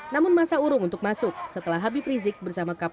namun masa urung untuk masuk setelah habib rizik bersama kpk